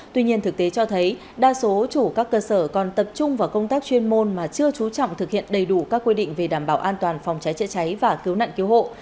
tuy nhiên thực tế cho thấy đa số chủ các cơ sở còn tập trung vào công tác chuyên môn mà chưa trú trọng thực hiện đầy đủ các quy định về đảm bảo an toàn phòng cháy chữa cháy và cứu nạn cứu hộ